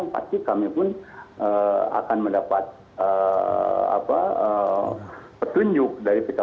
pasti kami pun akan mendapat petunjuk makhluk